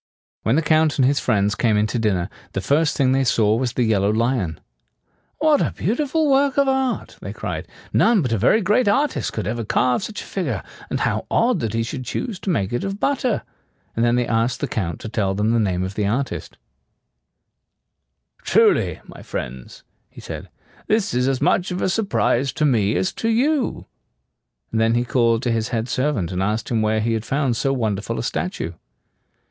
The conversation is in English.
When the Count and his friends came in to dinner, the first thing they saw was the yellow lion. "What a beautiful work of art!" they cried. "None but a very great artist could ever carve such a figure; and how odd that he should choose to make it of butter!" And then they asked the Count to tell them the name of the artist. [Illustration: "The servants crowded around to see it."] "Truly, my friends," he said, "this is as much of a surprise to me as to you." And then he called to his head servant, and asked him where he had found so wonderful a statue.